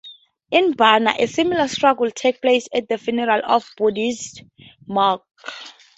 In Burma, a similar struggle takes place at the funeral of a Buddhist monk.